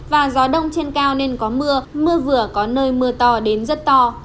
và gió đông trên cao nên có mưa mưa vừa có nơi mưa to đến rất to